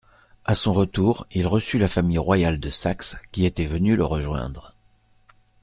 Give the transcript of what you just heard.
À son retour, il reçut la famille royale de Saxe, qui était venue le rejoindre.